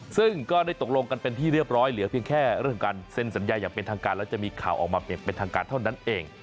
ซึ่งก็ได้ตกลงกันเป็นที่เรียบร้อยเหลือเพียงแค่เรื่องของการเซ็นสัญญาอย่างเป็นทางการแล้วจะมีข่าวออกมาอย่างเป็นทางการเท่านั้นเอง